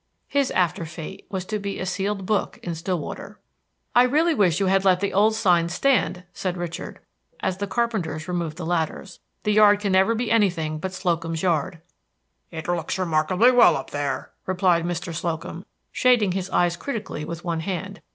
His after fate was to be a sealed book in Stillwater. "I really wish you had let the old sign stand," said Richard, as the carpenters removed the ladders. "The yard can never be anything but Slocum's Yard." "It looks remarkably well up there," replied Mr. Slocum, shading his eyes critically with one hand.